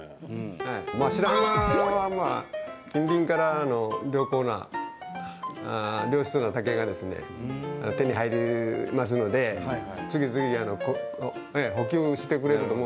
白浜は近隣からの良好な良質な竹がですね手に入りますので次々補給してくれると思うんですけども。